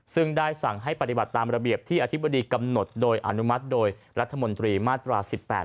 ซึ่งได้สั่งให้ปฏิบัติตามระเบียบที่อธิบดีกำหนดโดยอนุมัติโดยรัฐมนตรีมาตรา๑๘